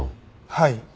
はい。